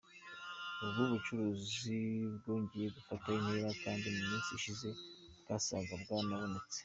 Ubu bucuruzi bwongeye gufata intera kandi mu minsi ishize bwasaga n’ubwagabanutse.